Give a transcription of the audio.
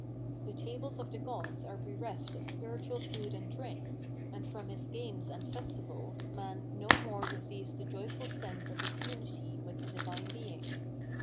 The tables of the gods are bereft of spiritual food and drink, and from his games and festivals man no more receives the joyful sense of his unity with the divine Being.